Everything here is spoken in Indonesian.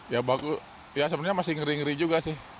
ya sebenarnya masih ngeri ngeri juga sih